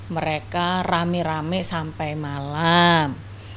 mereka rame rame sampai malam